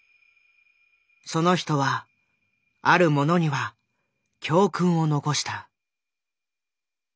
その人はある者には教訓を残した。